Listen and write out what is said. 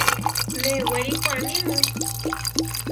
Mewéri koanímu.